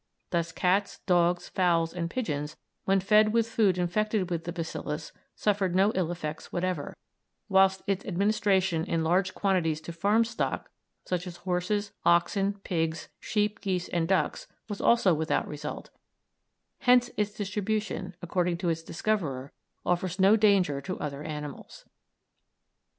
Thus cats, dogs, fowls, and pigeons when fed with food infected with the bacillus suffered no ill effects whatever, whilst its administration in large quantities to farm stock, such as horses, oxen, pigs, sheep, geese, and ducks, was also without result; hence its distribution, according to its discoverer, offers no danger to other animals.